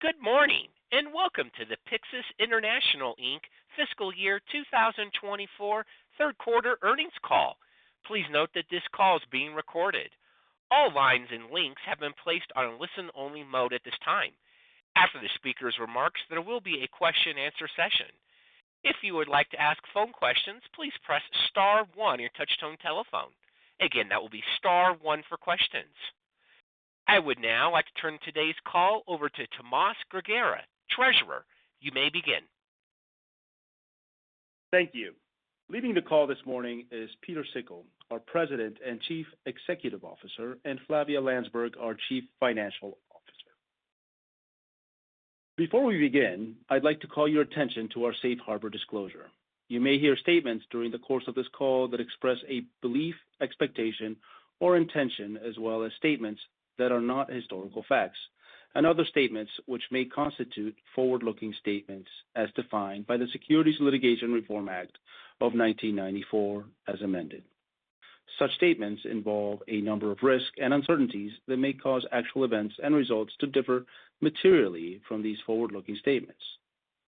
Good morning and welcome to the Pyxus International, Inc. Fiscal Year 2024 Third Quarter Earnings Call. Please note that this call is being recorded. All lines and links have been placed on a listen-only mode at this time. After the speaker's remarks, there will be a question-answer session. If you would like to ask phone questions, please press star one on your touch-tone telephone. Again, that will be star one for questions. I would now like to turn today's call over to Tomas Grigera, Treasurer. You may begin. Thank you. Leading the call this morning is Pieter Sikkel, our President and Chief Executive Officer, and Flavia Landsberg, our Chief Financial Officer. Before we begin, I'd like to call your attention to our safe harbor disclosure. You may hear statements during the course of this call that express a belief, expectation, or intention, as well as statements that are not historical facts and other statements which may constitute forward-looking statements as defined by the Securities Litigation Reform Act of 1994 as amended. Such statements involve a number of risks and uncertainties that may cause actual events and results to differ materially from these forward-looking statements.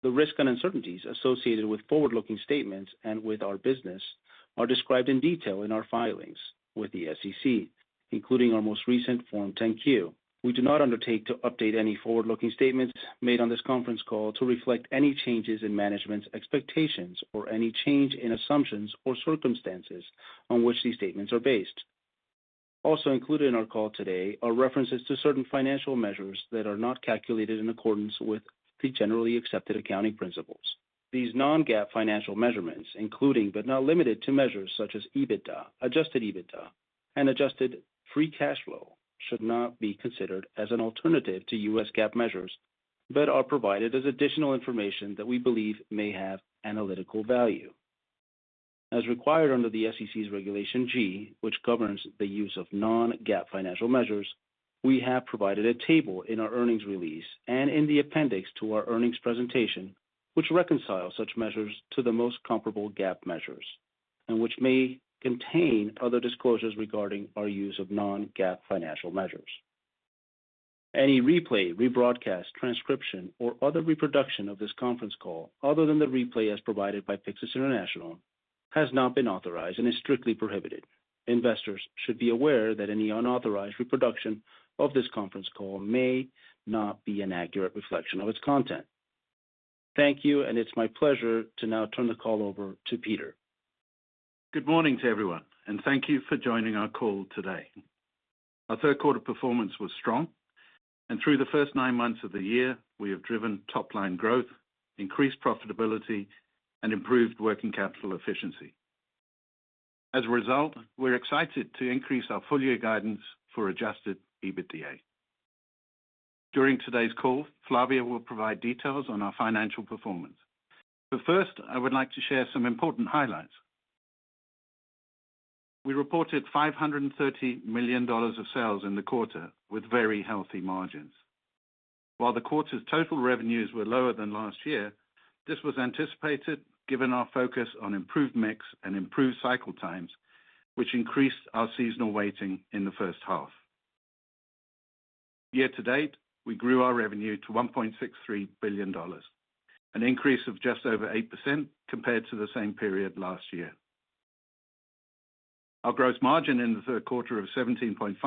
The risks and uncertainties associated with forward-looking statements and with our business are described in detail in our filings with the SEC, including our most recent Form 10-Q. We do not undertake to update any forward-looking statements made on this conference call to reflect any changes in management's expectations or any change in assumptions or circumstances on which these statements are based. Also included in our call today are references to certain financial measures that are not calculated in accordance with the generally accepted accounting principles. These non-GAAP financial measurements, including but not limited to measures such as EBITDA, adjusted EBITDA, and adjusted free cash flow, should not be considered as an alternative to U.S. GAAP measures but are provided as additional information that we believe may have analytical value. As required under the SEC's Regulation G, which governs the use of non-GAAP financial measures, we have provided a table in our earnings release and in the appendix to our earnings presentation which reconciles such measures to the most comparable GAAP measures and which may contain other disclosures regarding our use of non-GAAP financial measures. Any replay, rebroadcast, transcription, or other reproduction of this conference call other than the replay as provided by Pyxus International has not been authorized and is strictly prohibited. Investors should be aware that any unauthorized reproduction of this conference call may not be an accurate reflection of its content. Thank you, and it's my pleasure to now turn the call over to Pieter. Good morning to everyone, and thank you for joining our call today. Our third quarter performance was strong, and through the first nine months of the year, we have driven top-line growth, increased profitability, and improved working capital efficiency. As a result, we're excited to increase our full-year guidance for Adjusted EBITDA. During today's call, Flavia will provide details on our financial performance. But first, I would like to share some important highlights. We reported $530 million of sales in the quarter with very healthy margins. While the quarter's total revenues were lower than last year, this was anticipated given our focus on improved mix and improved cycle times, which increased our seasonal weighting in the first half. Year to date, we grew our revenue to $1.63 billion, an increase of just over 8% compared to the same period last year. Our gross margin in the third quarter of 17.5%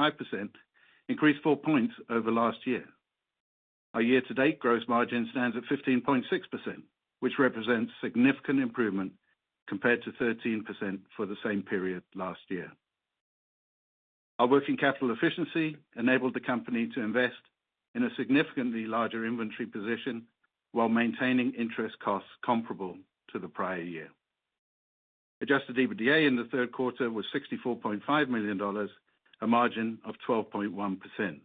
increased 4 points over last year. Our year-to-date gross margin stands at 15.6%, which represents significant improvement compared to 13% for the same period last year. Our working capital efficiency enabled the company to invest in a significantly larger inventory position while maintaining interest costs comparable to the prior year. Adjusted EBITDA in the third quarter was $64.5 million, a margin of 12.1%.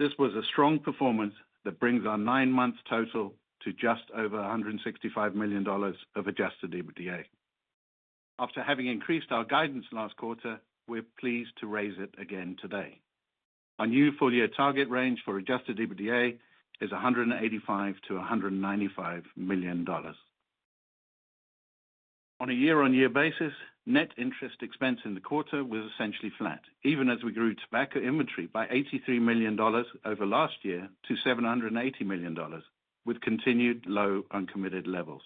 This was a strong performance that brings our nine-month total to just over $165 million of adjusted EBITDA. After having increased our guidance last quarter, we're pleased to raise it again today. Our new full-year target range for adjusted EBITDA is $185 million-$195 million. On a year-on-year basis, net interest expense in the quarter was essentially flat, even as we grew tobacco inventory by $83 million over last year to $780 million with continued low uncommitted levels.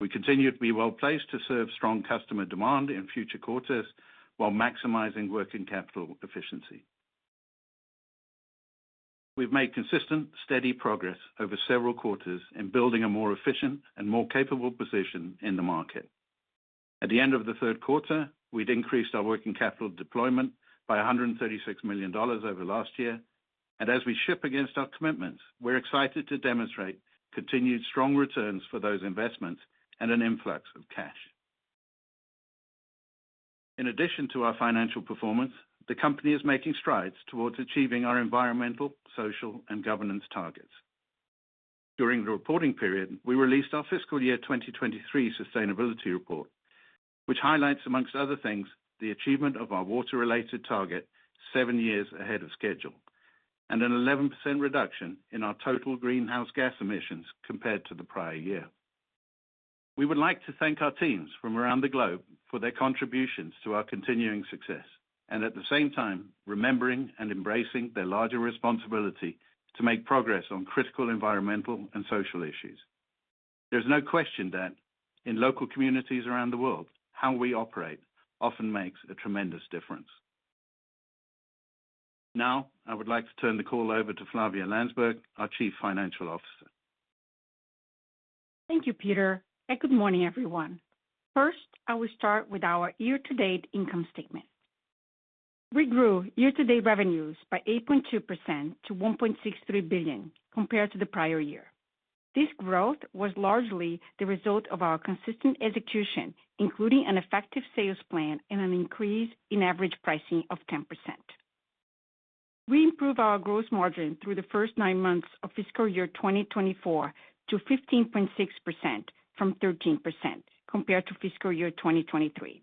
We continue to be well-placed to serve strong customer demand in future quarters while maximizing working capital efficiency. We've made consistent, steady progress over several quarters in building a more efficient and more capable position in the market. At the end of the third quarter, we'd increased our working capital deployment by $136 million over last year. And as we ship against our commitments, we're excited to demonstrate continued strong returns for those investments and an influx of cash. In addition to our financial performance, the company is making strides towards achieving our environmental, social, and governance targets. During the reporting period, we released our fiscal year 2023 sustainability report, which highlights, among other things, the achievement of our water-related target seven years ahead of schedule and an 11% reduction in our total greenhouse gas emissions compared to the prior year. We would like to thank our teams from around the globe for their contributions to our continuing success and, at the same time, remembering and embracing their larger responsibility to make progress on critical environmental and social issues. There's no question that, in local communities around the world, how we operate often makes a tremendous difference. Now, I would like to turn the call over to Flavia Landsberg, our Chief Financial Officer. Thank you, Pieter, and good morning, everyone. First, I will start with our year-to-date income statement. We grew year-to-date revenues by 8.2% to $1.63 billion compared to the prior year. This growth was largely the result of our consistent execution, including an effective sales plan and an increase in average pricing of 10%. We improved our gross margin through the first nine months of fiscal year 2024 to 15.6% from 13% compared to fiscal year 2023.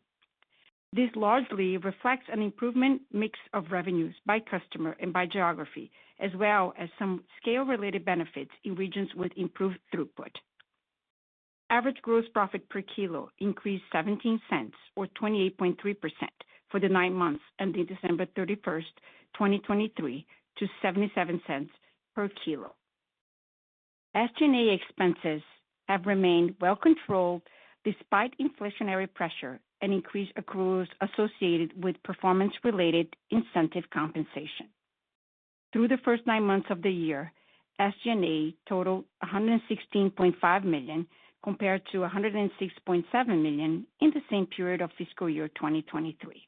This largely reflects an improvement mix of revenues by customer and by geography, as well as some scale-related benefits in regions with improved throughput. Average gross profit per kilo increased $0.17, or 28.3%, for the nine months ending December 31st, 2023, to $0.77 per kilo. SG&A expenses have remained well-controlled despite inflationary pressure and increased accruals associated with performance-related incentive compensation. Through the first nine months of the year, SG&A totaled $116.5 million compared to $106.7 million in the same period of fiscal year 2023.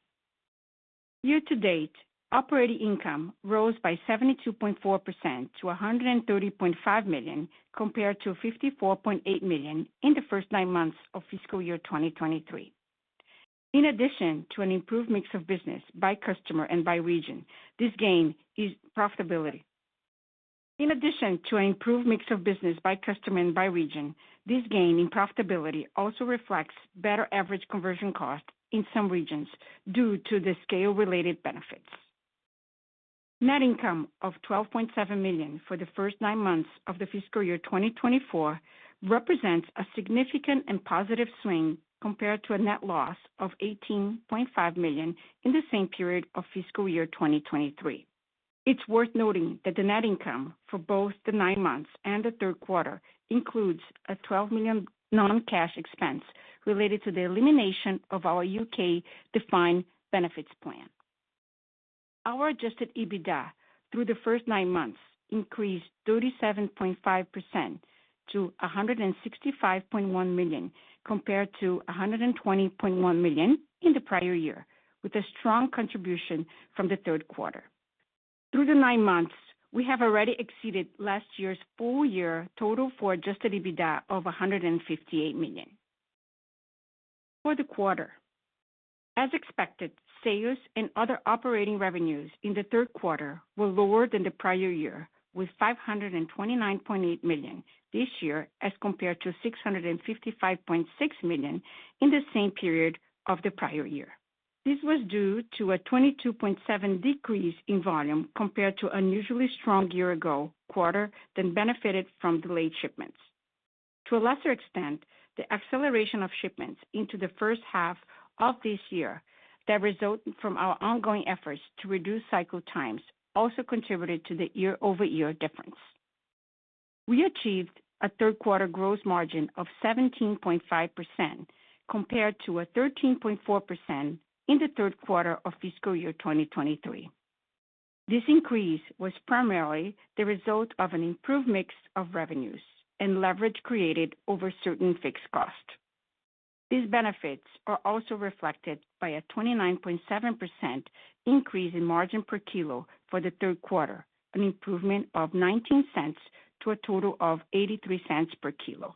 Year-to-date, operating income rose by 72.4% to $130.5 million compared to $54.8 million in the first nine months of fiscal year 2023. In addition to an improved mix of business by customer and by region, this gain is profitability. In addition to an improved mix of business by customer and by region, this gain in profitability also reflects better average conversion costs in some regions due to the scale-related benefits. Net income of $12.7 million for the first nine months of the fiscal year 2024 represents a significant and positive swing compared to a net loss of $18.5 million in the same period of fiscal year 2023. It's worth noting that the net income for both the nine months and the third quarter includes a $12 million non-cash expense related to the elimination of our U.K. defined benefits plan. Our Adjusted EBITDA through the first nine months increased 37.5% to $165.1 million compared to $120.1 million in the prior year, with a strong contribution from the third quarter. Through the nine months, we have already exceeded last year's full-year total for Adjusted EBITDA of $158 million. For the quarter, as expected, sales and other operating revenues in the third quarter were lower than the prior year, with $529.8 million this year as compared to $655.6 million in the same period of the prior year. This was due to a 22.7% decrease in volume compared to an unusually strong year-ago quarter that benefited from delayed shipments. To a lesser extent, the acceleration of shipments into the first half of this year that resulted from our ongoing efforts to reduce cycle times also contributed to the year-over-year difference. We achieved a third-quarter gross margin of 17.5% compared to a 13.4% in the third quarter of fiscal year 2023. This increase was primarily the result of an improved mix of revenues and leverage created over certain fixed costs. These benefits are also reflected by a 29.7% increase in margin per kilo for the third quarter, an improvement of $0.19 to a total of $0.83 per kilo.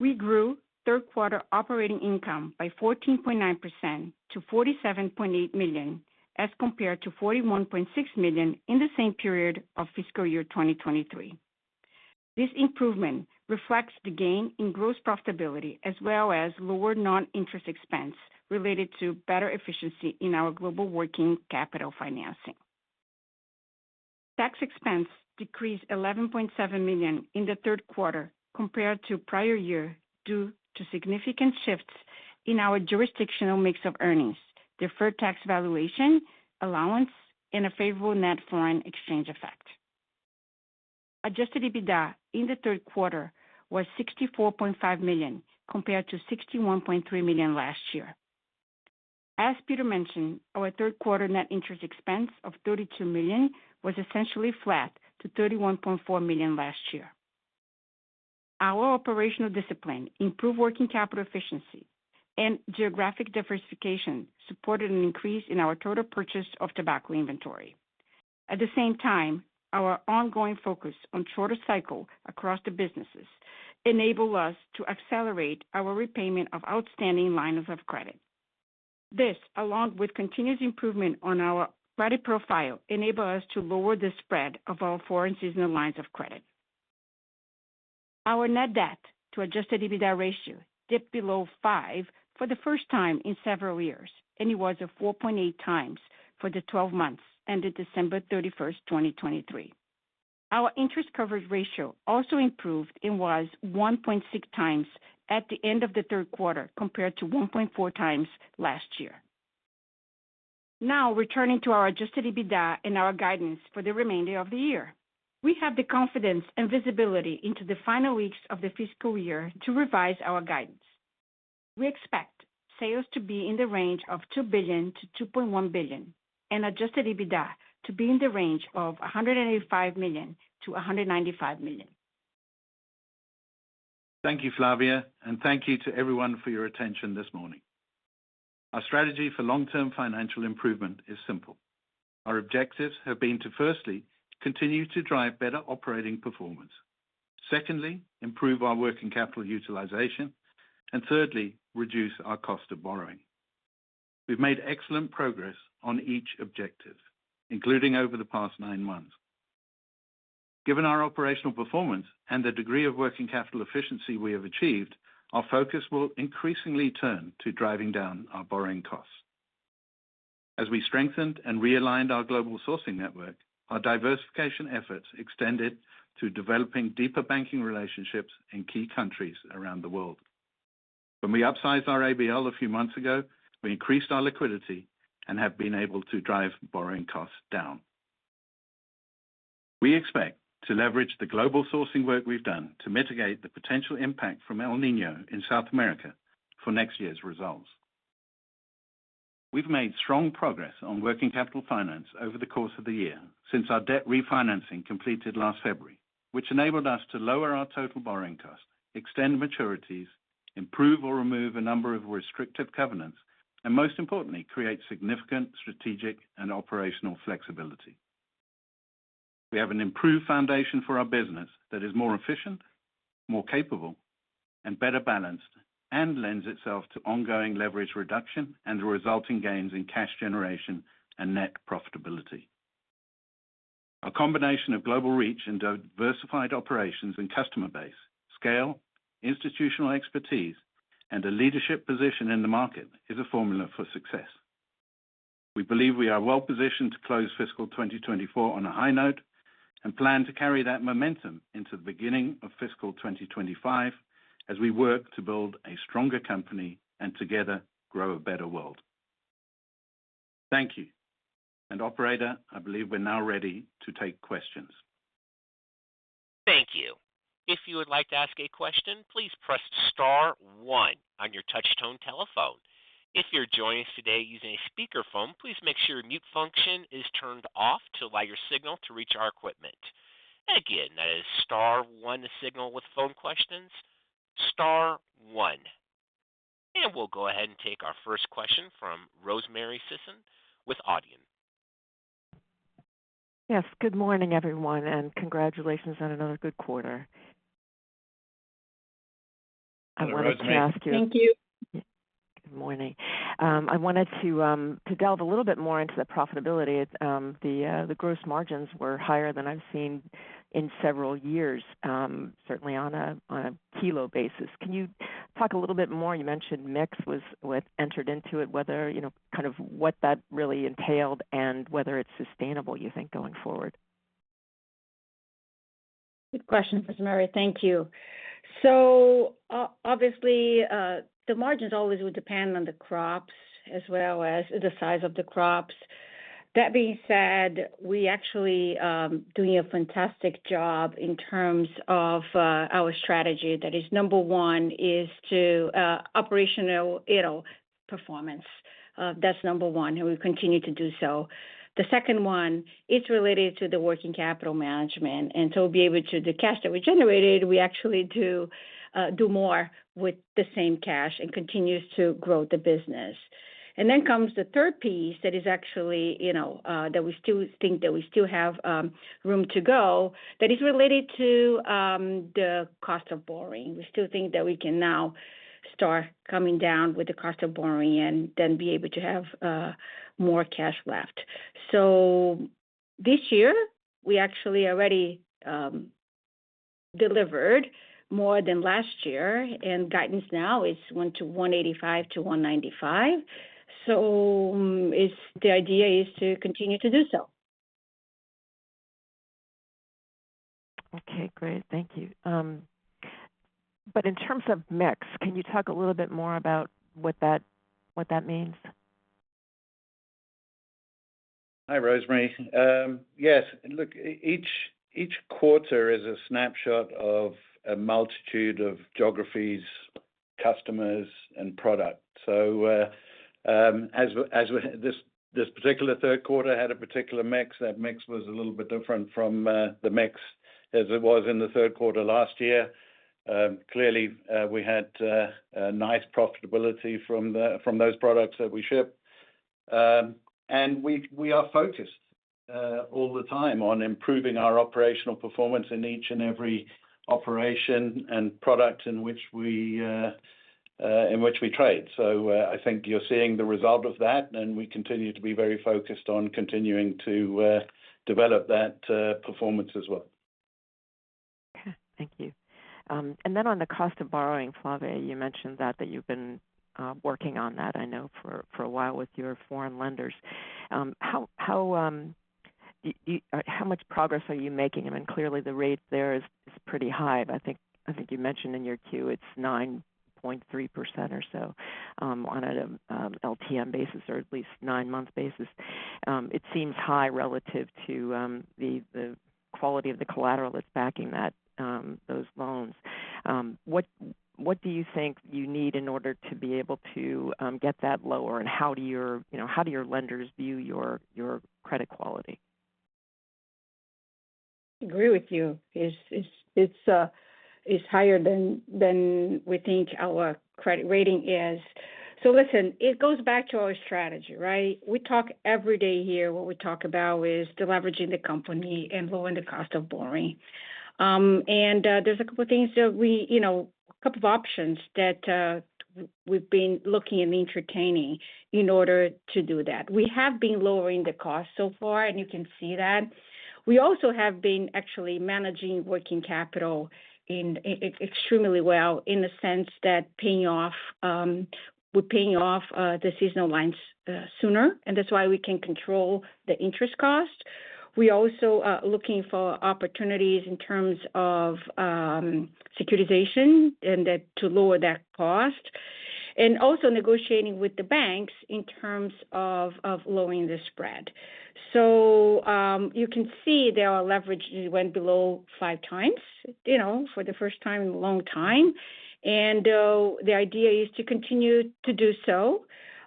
We grew third-quarter operating income by 14.9% to $47.8 million as compared to $41.6 million in the same period of fiscal year 2023. This improvement reflects the gain in gross profitability as well as lower non-interest expense related to better efficiency in our global working capital financing. Tax expense decreased $11.7 million in the third quarter compared to prior year due to significant shifts in our jurisdictional mix of earnings, deferred tax valuation allowance, and a favorable net foreign exchange effect. Adjusted EBITDA in the third quarter was $64.5 million compared to $61.3 million last year. As Pieter mentioned, our third-quarter net interest expense of $32 million was essentially flat to $31.4 million last year. Our operational discipline, improved working capital efficiency, and geographic diversification supported an increase in our total purchase of tobacco inventory. At the same time, our ongoing focus on shorter cycle across the businesses enabled us to accelerate our repayment of outstanding lines of credit. This, along with continuous improvement on our credit profile, enabled us to lower the spread of our foreign seasonal lines of credit. Our net debt to Adjusted EBITDA ratio dipped below five for the first time in several years, and it was 4.8x for the 12 months ended December 31st, 2023. Our interest coverage ratio also improved and was 1.6x at the end of the third quarter compared to 1.4x last year. Now, returning to our Adjusted EBITDA and our guidance for the remainder of the year, we have the confidence and visibility into the final weeks of the fiscal year to revise our guidance. We expect sales to be in the range of $2 billion-$2.1 billion and Adjusted EBITDA to be in the range of $185 million-$195 million. Thank you, Flavia, and thank you to everyone for your attention this morning. Our strategy for long-term financial improvement is simple. Our objectives have been to, firstly, continue to drive better operating performance, secondly, improve our working capital utilization, and thirdly, reduce our cost of borrowing. We've made excellent progress on each objective, including over the past nine months. Given our operational performance and the degree of working capital efficiency we have achieved, our focus will increasingly turn to driving down our borrowing costs. As we strengthened and realigned our global sourcing network, our diversification efforts extended to developing deeper banking relationships in key countries around the world. When we upsized our ABL a few months ago, we increased our liquidity and have been able to drive borrowing costs down. We expect to leverage the global sourcing work we've done to mitigate the potential impact from El Niño in South America for next year's results. We've made strong progress on working capital finance over the course of the year since our debt refinancing completed last February, which enabled us to lower our total borrowing cost, extend maturities, improve or remove a number of restrictive covenants, and most importantly, create significant strategic and operational flexibility. We have an improved foundation for our business that is more efficient, more capable, and better balanced, and lends itself to ongoing leverage reduction and the resulting gains in cash generation and net profitability. A combination of global reach and diversified operations and customer base, scale, institutional expertise, and a leadership position in the market is a formula for success. We believe we are well-positioned to close fiscal 2024 on a high note and plan to carry that momentum into the beginning of fiscal 2025 as we work to build a stronger company and together grow a better world. Thank you. Operator, I believe we're now ready to take questions. Thank you. If you would like to ask a question, please press star one on your touch-tone telephone. If you're joining us today using a speakerphone, please make sure your mute function is turned off to allow your signal to reach our equipment. Again, that is star 1 to signal with phone questions, star one. We'll go ahead and take our first question from Rosemary Sisson with Odeon. Yes. Good morning, everyone, and congratulations on another good quarter. I wanted to ask you. Thank you. Good morning. I wanted to delve a little bit more into the profitability. The gross margins were higher than I've seen in several years, certainly on a kilo basis. Can you talk a little bit more? You mentioned mix was entered into it, whether kind of what that really entailed and whether it's sustainable, you think, going forward. Good question, Rosemary. Thank you. So obviously, the margins always would depend on the crops as well as the size of the crops. That being said, we're actually doing a fantastic job in terms of our strategy. That is, number one is operational performance. That's number one, and we continue to do so. The second one is related to the working capital management. And so to be able to the cash that we generated, we actually do more with the same cash and continue to grow the business. And then comes the third piece that is actually that we still think that we still have room to go that is related to the cost of borrowing. We still think that we can now start coming down with the cost of borrowing and then be able to have more cash left. So this year, we actually already delivered more than last year, and guidance now is went to $185-$195. So the idea is to continue to do so. Okay. Great. Thank you. But in terms of mix, can you talk a little bit more about what that means? Hi, Rosemary. Yes. Look, each quarter is a snapshot of a multitude of geographies, customers, and products. So as this particular third quarter had a particular mix, that mix was a little bit different from the mix as it was in the third quarter last year. Clearly, we had nice profitability from those products that we ship. And we are focused all the time on improving our operational performance in each and every operation and product in which we trade. So I think you're seeing the result of that, and we continue to be very focused on continuing to develop that performance as well. Okay. Thank you. And then on the cost of borrowing, Flavia, you mentioned that you've been working on that, I know, for a while with your foreign lenders. How much progress are you making? I mean, clearly, the rate there is pretty high. I think you mentioned in your Q it's 9.3% or so on an LTM basis or at least nine-month basis. It seems high relative to the quality of the collateral that's backing those loans. What do you think you need in order to be able to get that lower, and how do your lenders view your credit quality? I agree with you. It's higher than we think our credit rating is. So listen, it goes back to our strategy, right? We talk every day here. What we talk about is leveraging the company and lowering the cost of borrowing. And there's a couple of things, a couple of options that we've been looking and entertaining in order to do that. We have been lowering the cost so far, and you can see that. We also have been actually managing working capital extremely well in the sense that we're paying off the seasonal lines sooner, and that's why we can control the interest cost. We're also looking for opportunities in terms of securitization to lower that cost and also negotiating with the banks in terms of lowering the spread. So you can see that our leverage went below five times for the first time in a long time. The idea is to continue to do so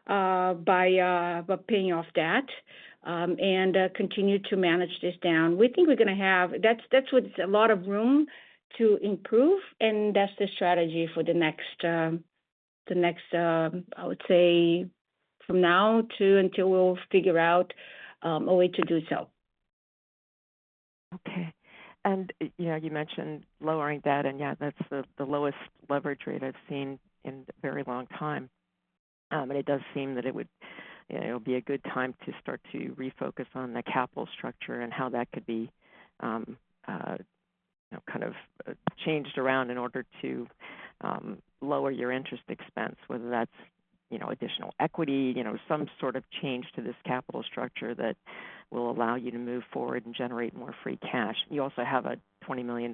by paying off that and continue to manage this down. We think we're going to have that's with a lot of room to improve, and that's the strategy for the next I would say from now until we'll figure out a way to do so. Okay. You mentioned lowering debt, and yeah, that's the lowest leverage rate I've seen in a very long time. It does seem that it would be a good time to start to refocus on the capital structure and how that could be kind of changed around in order to lower your interest expense, whether that's additional equity, some sort of change to this capital structure that will allow you to move forward and generate more free cash. You also have a $20 million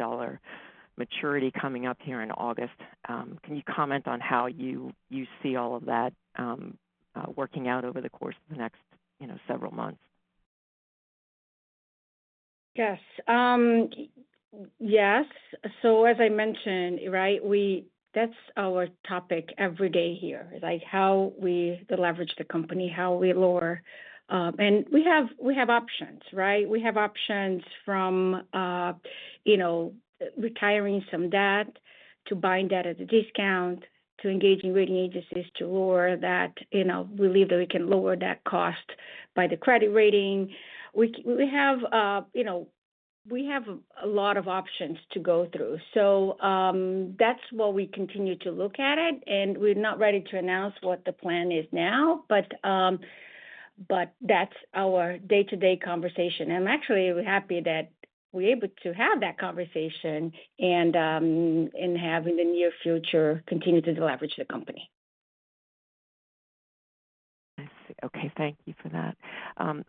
maturity coming up here in August. Can you comment on how you see all of that working out over the course of the next several months? Yes. Yes. So as I mentioned, right, that's our topic every day here, is how we leverage the company, how we lower and we have options, right? We have options from retiring some debt to buying debt at a discount to engaging rating agencies to lower that. We believe that we can lower that cost by the credit rating. We have a lot of options to go through. So that's what we continue to look at it, and we're not ready to announce what the plan is now, but that's our day-to-day conversation. And I'm actually happy that we're able to have that conversation and have, in the near future, continue to leverage the company. I see. Okay. Thank you for that.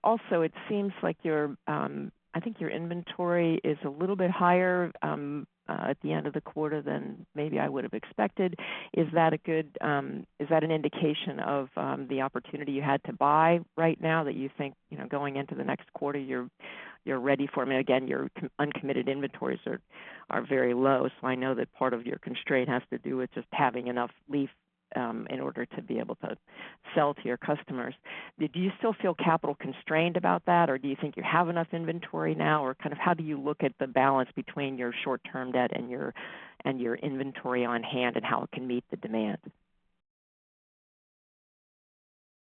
Also, it seems like your, I think, your inventory is a little bit higher at the end of the quarter than maybe I would have expected. Is that an indication of the opportunity you had to buy right now that you think going into the next quarter, you're ready for? I mean, again, your uncommitted inventories are very low, so I know that part of your constraint has to do with just having enough leaf in order to be able to sell to your customers. Do you still feel capital constrained about that, or do you think you have enough inventory now? Or kind of how do you look at the balance between your short-term debt and your inventory on hand and how it can meet the demand?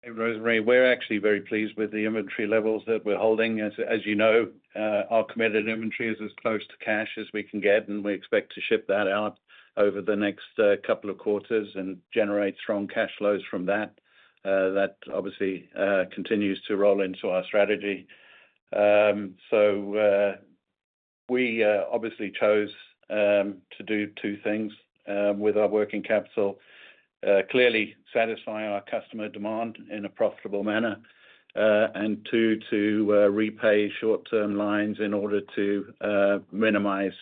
Rosemary, we're actually very pleased with the inventory levels that we're holding. As you know, our committed inventory is as close to cash as we can get, and we expect to ship that out over the next couple of quarters and generate strong cash flows from that. That obviously continues to roll into our strategy. We obviously chose to do two things with our working capital: clearly satisfy our customer demand in a profitable manner, and two, to repay short-term lines in order to minimize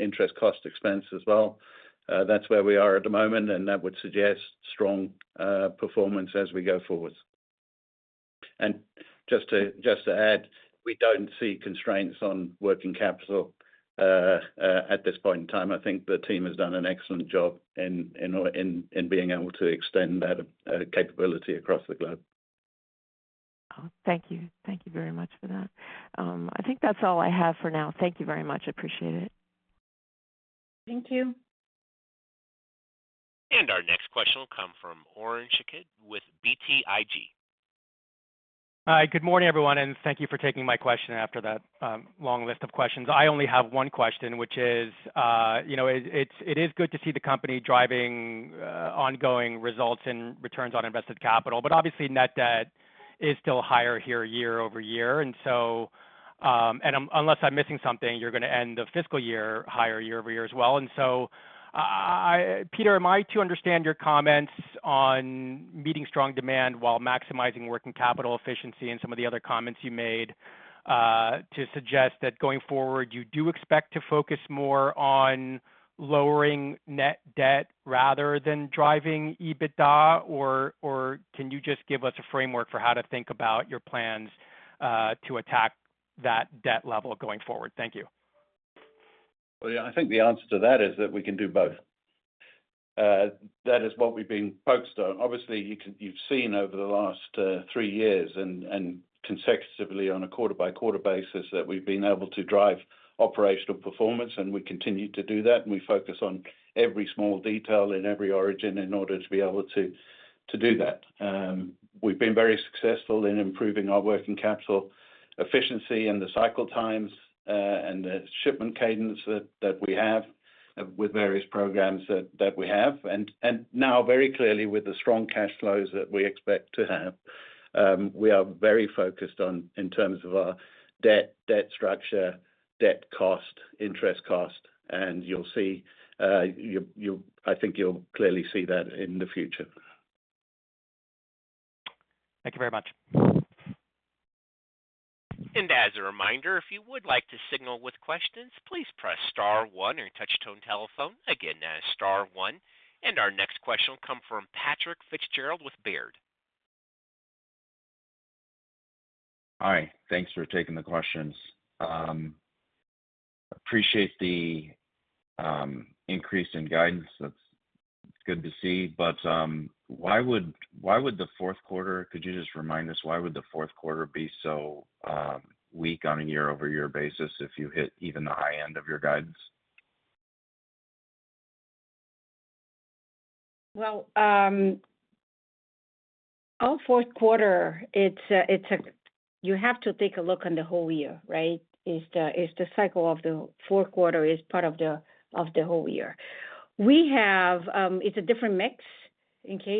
interest cost expense as well. That's where we are at the moment, and that would suggest strong performance as we go forward. Just to add, we don't see constraints on working capital at this point in time. I think the team has done an excellent job in being able to extend that capability across the globe. Thank you. Thank you very much for that. I think that's all I have for now. Thank you very much. Appreciate it. Thank you. Our next question will come from Oren Shaked with BTIG. Hi. Good morning, everyone, and thank you for taking my question after that long list of questions. I only have one question, which is it is good to see the company driving ongoing results and returns on invested capital, but obviously, net debt is still higher here year-over-year. And unless I'm missing something, you're going to end the fiscal year higher year-over-year as well. And so, Pieter, am I to understand your comments on meeting strong demand while maximizing working capital efficiency and some of the other comments you made to suggest that going forward, you do expect to focus more on lowering net debt rather than driving EBITDA, or can you just give us a framework for how to think about your plans to attack that debt level going forward? Thank you. Well, yeah, I think the answer to that is that we can do both. That is what we've been focused on. Obviously, you've seen over the last three years and consecutively on a quarter-by-quarter basis that we've been able to drive operational performance, and we continue to do that. We focus on every small detail in every origin in order to be able to do that. We've been very successful in improving our working capital efficiency and the cycle times and the shipment cadence that we have with various programs that we have. Now, very clearly, with the strong cash flows that we expect to have, we are very focused in terms of our debt, debt structure, debt cost, interest cost. You'll see I think you'll clearly see that in the future. Thank you very much. As a reminder, if you would like to signal with questions, please press star one or touch-tone telephone. Again, that is star one. Our next question will come from Patrick Fitzgerald with Baird. Hi. Thanks for taking the questions. Appreciate the increase in guidance. That's good to see. But could you just remind us why would the fourth quarter be so weak on a year-over-year basis if you hit even the high end of your guidance? Well, our fourth quarter, it's a you have to take a look on the whole year, right? The cycle of the fourth quarter is part of the whole year. It's a different mix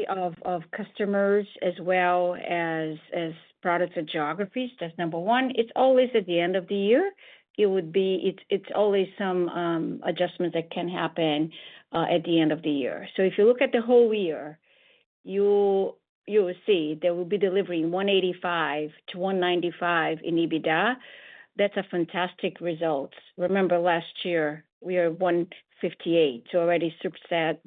of customers as well as products and geographies. That's number one. It's always at the end of the year. It's always some adjustments that can happen at the end of the year. So if you look at the whole year, you'll see there will be delivery in $185-$195 in EBITDA. That's a fantastic result. Remember, last year, we were $158, so already surpassed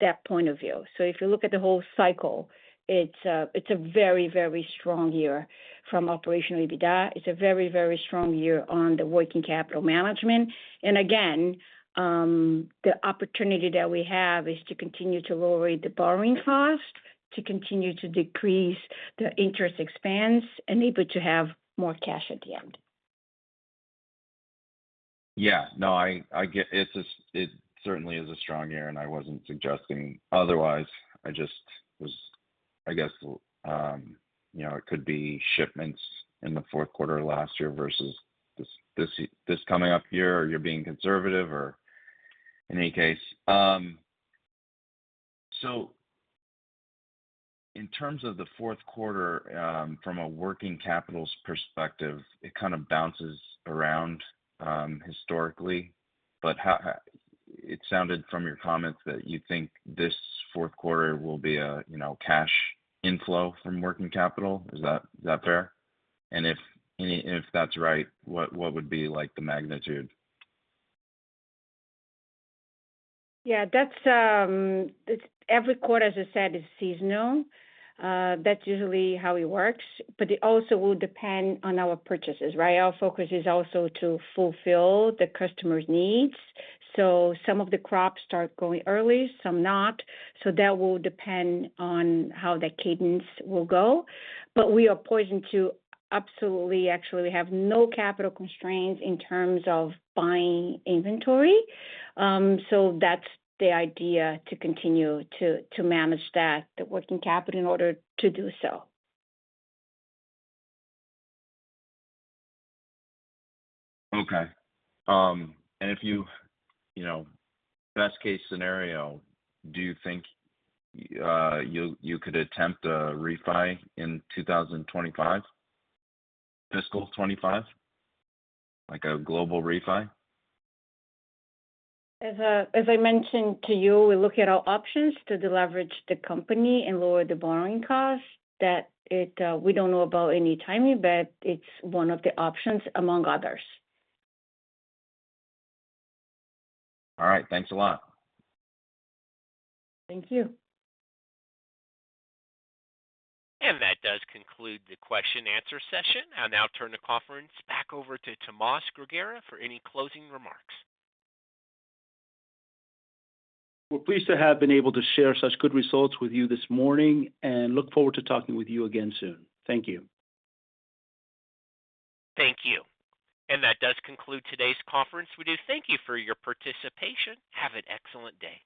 that point of view. So if you look at the whole cycle, it's a very, very strong year from operational EBITDA. It's a very, very strong year on the working capital management. Again, the opportunity that we have is to continue to lower the borrowing cost, to continue to decrease the interest expense, and able to have more cash at the end. Yeah. No, I get it. It certainly is a strong year, and I wasn't suggesting otherwise. I just was, I guess, it could be shipments in the fourth quarter of last year versus this coming up year, or you're being conservative, or in any case. So in terms of the fourth quarter, from a working capital's perspective, it kind of bounces around historically. But it sounded from your comments that you think this fourth quarter will be a cash inflow from working capital. Is that fair? And if that's right, what would be the magnitude? Yeah. Every quarter, as I said, is seasonal. That's usually how it works. But it also will depend on our purchases, right? Our focus is also to fulfill the customer's needs. So some of the crops start going early, some not. So that will depend on how that cadence will go. But we are positioned to absolutely actually, we have no capital constraints in terms of buying inventory. So that's the idea to continue to manage that, the working capital, in order to do so. Okay. And if you best-case scenario, do you think you could attempt a refi in 2025, fiscal 2025, a global refi? As I mentioned to you, we look at our options to leverage the company and lower the borrowing cost. We don't know about any timing, but it's one of the options among others. All right. Thanks a lot. Thank you. That does conclude the question-and-answer session. I'll now turn the conference back over to Tomas Grigera for any closing remarks. We're pleased to have been able to share such good results with you this morning and look forward to talking with you again soon. Thank you. Thank you. That does conclude today's conference. We do thank you for your participation. Have an excellent day.